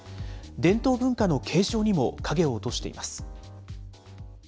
伝統文化の継承にも影を落としています。